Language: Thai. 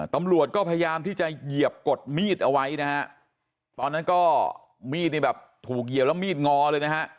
ตำรวจก็พยายามที่จะเหยียบกดมีดเอาไว้นะฮะตอนนั้นก็มีดนี่แบบถูกเหยียบแล้วมีดงอเลยนะฮะ